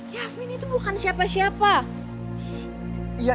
yasmin itu bukan siapa siapa